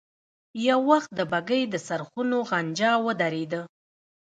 يو وخت د بګۍ د څرخونو غنجا ودرېده.